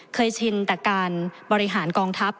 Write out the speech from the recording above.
ชินแต่การบริหารกองทัพ